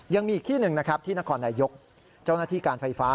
ยังมีอีกที่หนึ่งนะครับที่นครนายกเจ้าหน้าที่การไฟฟ้า